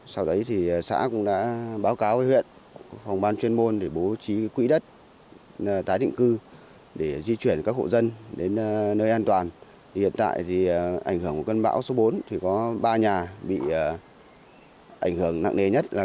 sau đấy thì xã cũng đã báo cáo với huyện phòng ban chuyên môn để bố trí quỹ đất tái định cư để di chuyển các hộ dân đến nơi an toàn hiện tại thì ảnh hưởng của cơn bão số bốn thì có ba nhà bị ảnh hưởng nặng nề nhất